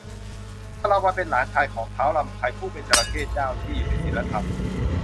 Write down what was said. ชาละวันเป็นหลานชายของ ท้าวรำไพ ผู้เป็นจระเข้เจ้าที่อยู่ในศีลธรรม